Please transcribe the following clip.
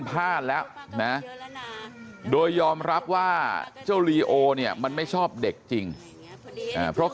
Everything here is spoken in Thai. แล้วนะโดยยอมรับว่าเจ้าลีโอเนี่ยมันไม่ชอบเด็กจริงเพราะ